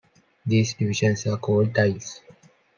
These divisions are called tiles.